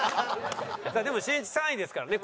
でもしんいち３位ですからね